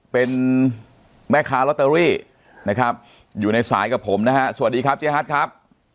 เป็นแม่ค้าลอตเตอรี่นะครับอยู่ในสายกับผมนะฮะสวัสดีครับเจ๊ฮัทครับ